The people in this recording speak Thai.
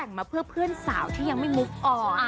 เพราะว่ามีเพื่อนซีอย่างน้ำชาชีระนัทอยู่เคียงข้างเสมอค่ะ